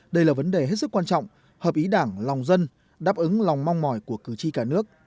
đây là vấn đề hết sức quan trọng hợp ý đảng lòng dân đáp ứng lòng mong mỏi của cử tri cả nước